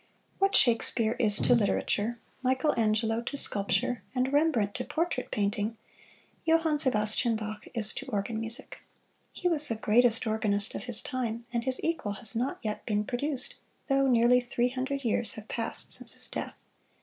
What Shakespeare is to literature, Michelangelo to sculpture, and Rembrandt to portrait painting, Johann Sebastian Bach is to organ music. He was the greatest organist of his time, and his equal has not yet been produced, though nearly three hundred years have passed since his death.